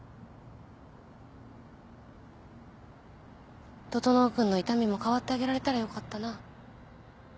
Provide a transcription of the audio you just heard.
整君の痛みも代わってあげられたらよかったな。